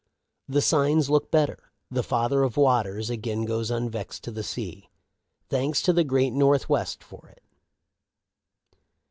" The signs look better. The Father of Waters again goes unvexed to the sea. Thanks to the great North west for it.